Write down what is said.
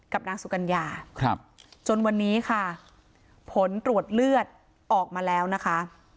นางสุกัญญาจนวันนี้ค่ะผลตรวจเลือดออกมาแล้วนะคะ